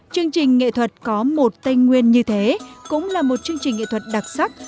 chương trình nghệ thuật có một tây nguyên như thế cũng là một chương trình nghệ thuật đặc sắc